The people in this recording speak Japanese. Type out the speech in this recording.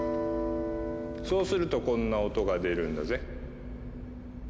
そうするとこんな音が出るんだぜ。